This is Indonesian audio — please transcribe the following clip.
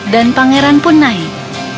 dan pangeran pun naik